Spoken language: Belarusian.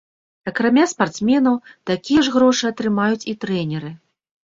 Акрамя спартсменаў, такія ж грошы атрымаюць і трэнеры.